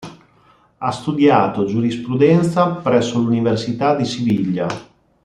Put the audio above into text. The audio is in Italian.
Ha studiato giurisprudenza presso l'Università di Siviglia.